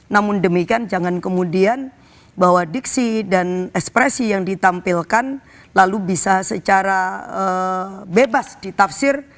namun demikian jangan kemudian bahwa diksi dan ekspresi yang ditampilkan lalu bisa secara bebas ditafsir